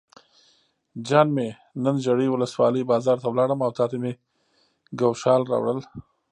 جان مې نن ژرۍ ولسوالۍ بازار ته لاړم او تاته مې ګوښال راوړل.